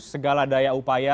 segala daya upaya